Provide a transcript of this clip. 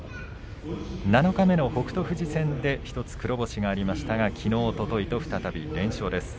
七日目の北勝富士戦で１つ黒星がありましたがきのう、おとといと再び連勝です。